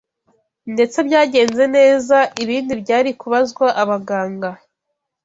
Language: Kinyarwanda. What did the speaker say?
ndetse byagenze neza, ibindi byari kubazwa abaganga